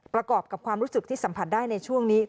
ประกอบกับความรู้สึกที่สัมผัสได้ในช่วงนี้